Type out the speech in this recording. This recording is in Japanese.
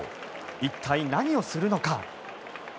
一体何をするのか？